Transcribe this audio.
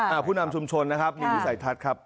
ผู้นำชุมชนนะครับมีวิสัยทัศน์ครับ